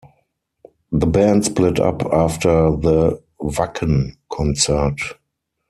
The band split up after the Wacken concert.